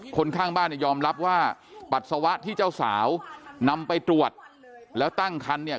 ข้างบ้านเนี่ยยอมรับว่าปัสสาวะที่เจ้าสาวนำไปตรวจแล้วตั้งคันเนี่ย